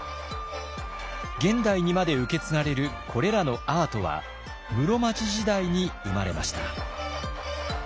現代にまで受け継がれるこれらのアートは室町時代に生まれました。